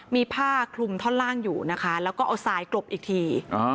มีผ้าคลุมท่อนล่างอยู่นะคะแล้วก็เอาทรายกลบอีกที